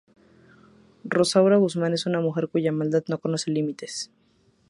Rosaura Guzmán es una mujer cuya maldad no conoce límites.